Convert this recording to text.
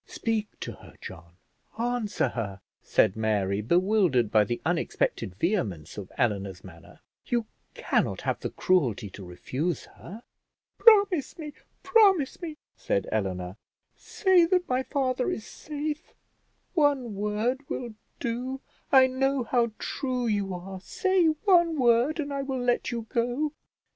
"Speak to her, John; answer her," said Mary, bewildered by the unexpected vehemence of Eleanor's manner; "you cannot have the cruelty to refuse her." "Promise me, promise me," said Eleanor; "say that my father is safe; one word will do. I know how true you are; say one word, and I will let you go."